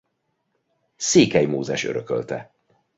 Székely Mózes örökölte.